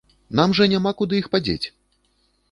Нам жа няма куды іх падзець!